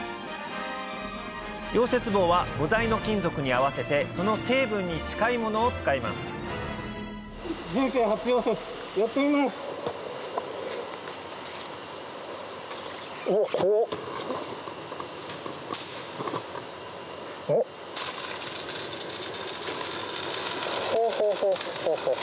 溶接棒は母材の金属に合わせてその成分に近いものを使いますほうほうほうほう。